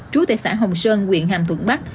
trú tại xã hồng sơn huyện hàm thuận bắc